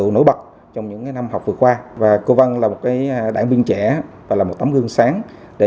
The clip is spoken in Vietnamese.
hợp trong những năm học vừa qua và cô vân là một cái đảng viên trẻ và là một tấm gương sáng để